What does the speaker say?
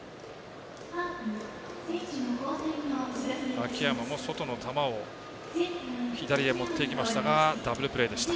秋山も外の球を左へ持っていきましたがダブルプレーでした。